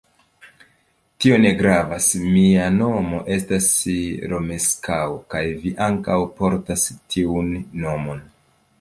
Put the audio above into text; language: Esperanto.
Tio ne gravas, mia nomo estas Romeskaŭ kaj vi ankaŭ portas tiun nomon.